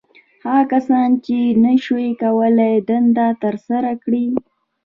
• هغه کسانو، چې نهشوی کولای دنده تر سره کړي.